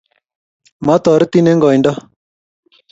matarotin eng' koindo